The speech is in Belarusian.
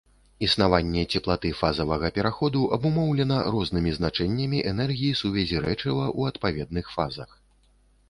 Існаванне цеплаты фазавага пераходу абумоўлена рознымі значэннямі энергій сувязі рэчыва ў адпаведных фазах.